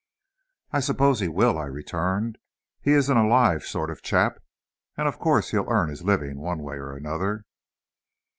"I suppose he will," I returned; "he's an alive sort of chap, and of course he'll earn his living one way or another."